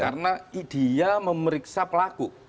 karena dia memeriksa pelaku